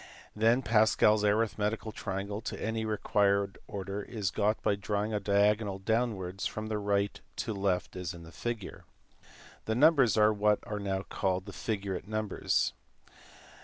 Then Pascal s arithmetical triangle (to any required order) is got by drawing a diagonal downwards from right to left as in the figure. These num bers are what are now called jiyurate numbers.